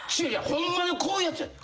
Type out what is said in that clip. ホンマのこういうやつやで。